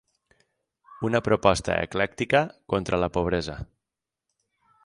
Una proposta eclèctica contra la pobresa.